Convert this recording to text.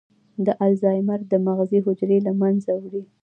د الزایمر د مغز حجرې له منځه وړي.